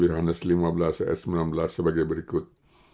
yohanes lima belas ayat sembilan belas sebagai berikut